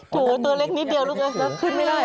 ตัวเล็กนิดเดียวนะ